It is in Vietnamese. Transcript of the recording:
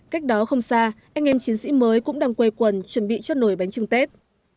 cách đó không xa anh em chiến sĩ mới cũng đang quay quần chuẩn bị cho nổi bánh trưng tết